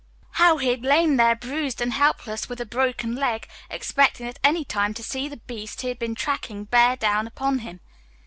How he had lain there bruised and helpless with a broken leg, expecting at any time to see the beast he had been tracking bear down upon him.